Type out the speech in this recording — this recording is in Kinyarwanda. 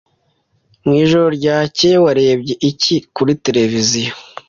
Mwijoro ryakeye warebye iki kuri tereviziyo?